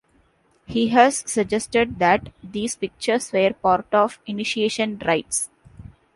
He has suggested that these pictures were part of initiation rites.